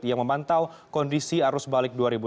yang memantau kondisi arus balik dua ribu enam belas